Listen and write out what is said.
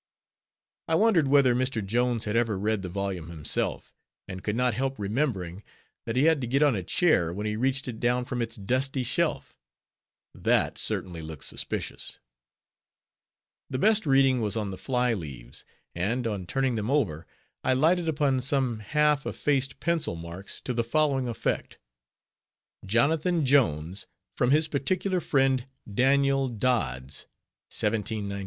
I wondered whether Mr. Jones had ever read the volume himself; and could not help remembering, that he had to get on a chair when he reached it down from its dusty shelf; that certainly looked suspicious. The best reading was on the fly leaves; and, on turning them over, I lighted upon some half effaced pencil marks to the following effect: "Jonathan Jones, from his particular friend Daniel Dods, 1798."